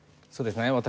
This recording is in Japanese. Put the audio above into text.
そうですね